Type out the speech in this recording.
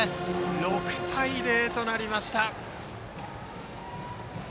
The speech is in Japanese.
６対０となりました。